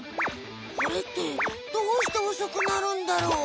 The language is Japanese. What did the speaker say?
これってどうしておそくなるんだろう？